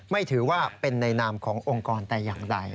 ไม่ถือว่าเป็นในนามขององค์กรแต่อย่างใด